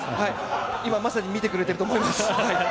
今まさに見てくれていると思います。